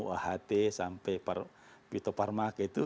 aht sampai pitoparmaka itu